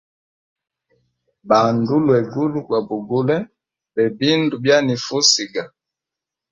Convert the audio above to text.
Banda ulwegulu gwa bugule bebindu byanifa usiga.